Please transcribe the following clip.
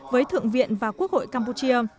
với thượng viện và quốc hội campuchia